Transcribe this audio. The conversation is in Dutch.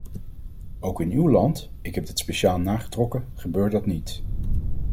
Ook in uw land - ik heb dat speciaal nagetrokken - gebeurt dat niet.